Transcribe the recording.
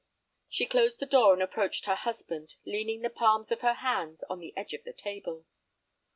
She closed the door and approached her husband, leaning the palms of her hands on the edge of the table.